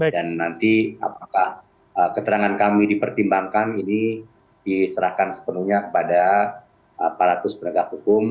dan nanti apakah keterangan kami dipertimbangkan ini diserahkan sepenuhnya kepada aparatus beragak hukum